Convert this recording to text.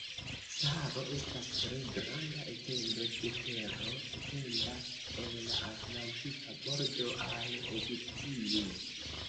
Saharo estas tre granda etendo de tero etenda el la Atlantika bordo al Egiptio.